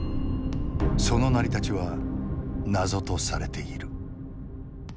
その成り立ちは謎とされている。